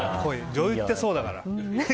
女優ってそうだから。